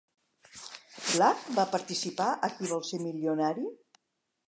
Black va participar a "Qui vol ser milionari?"